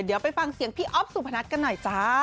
เดี๋ยวไปฟังเสียงพี่อ๊อฟสุพนัทกันหน่อยจ้า